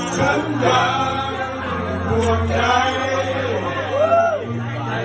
ฉันไม่ตาย